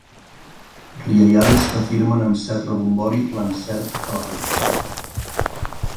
Riallades que afirmen amb cert rebombori l'encert de la predicció.